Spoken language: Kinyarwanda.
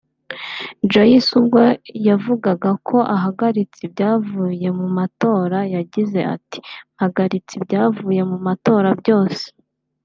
Joyce ubwo yavugaga ko ahagaritse ibyavuye mu matora yagize ati “Mpagaritse ibyavuye mu matora byose